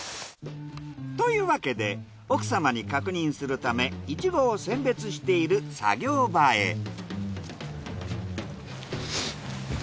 というわけで奥様に確認するためイチゴを選別している作業場へ。